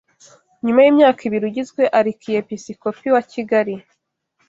nyuma y’imyaka ibiri ugizwe Arikiyepisikopi wa Kigali